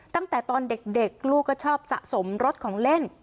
ตั้งแต่ตอนเด็กลูกก็ชอบสะสมรถของเล่น